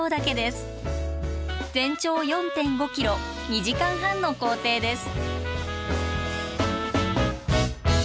全長４．５ｋｍ２時間半の行程です。